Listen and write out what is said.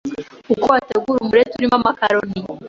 Uko wategura umureti urimo amakaroni